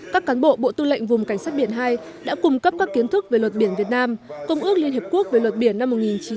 các cán bộ bộ tư lệnh vùng cảnh sát biển hai đã cung cấp các kiến thức về luật biển việt nam công ước liên hiệp quốc về luật biển năm một nghìn chín trăm tám mươi hai